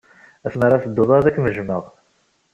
Asmi ara tedduḍ, ad kem-jjmeɣ.